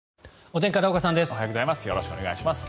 おはようございます。